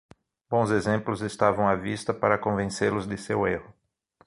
Bons exemplos estavam à vista para convencê-los de seu erro.